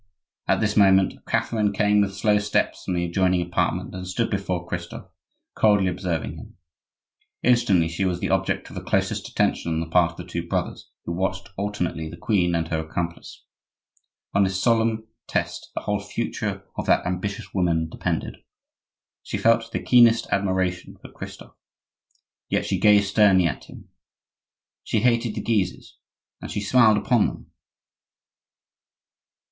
At this moment Catherine came with slow steps from the adjoining apartment and stood before Christophe, coldly observing him. Instantly she was the object of the closest attention on the part of the two brothers, who watched alternately the queen and her accomplice. On this solemn test the whole future of that ambitious woman depended; she felt the keenest admiration for Christophe, yet she gazed sternly at him; she hated the Guises, and she smiled upon them!